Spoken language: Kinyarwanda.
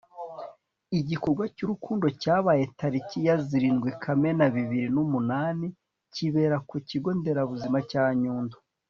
igikorwa cy'urukundo cyabaye tariki ya zirindwi kamena bibiri n'umunani kibera ku kigo nderabuzima cya nyundo